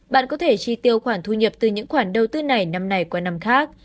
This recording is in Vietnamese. bạn có thể tri tiêu khoản thu nhiệm từ những khoản đầu tư này năm này qua năm khác